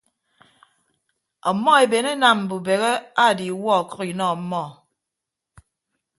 Ọmmọ eben enam mbubehe aadiiwuọ ọkʌk inọ ọmmọ.